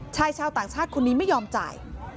ชายชาวต่างชาติคนนี้ไม่ยอมจ่าย